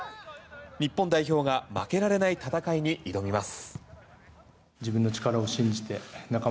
日本代表が負けられない戦いに挑みます。